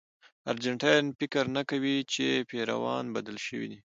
ارجنټاینان فکر نه کوي چې پېرون بدل شوی دی.